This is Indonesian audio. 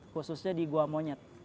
khususnya di gua monyet